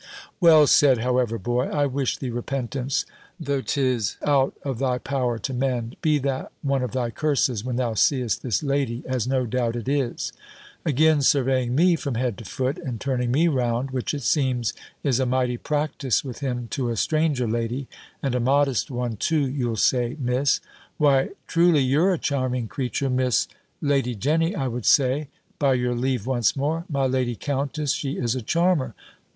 "Well said, however, boy. I wish thee repentance, though 'tis out of thy power to mend. Be that one of thy curses, when thou seest this lady; as no doubt it is." Again surveying me from head to foot, and turning me round, which, it seems, is a mighty practice with him to a stranger lady, (and a modest one too, you'll say, Miss) "Why, truly, you're a charming creature, Miss Lady Jenny I would say By your leave, once more! My Lady Countess, she is a charmer!